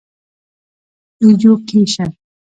ايجوکيشن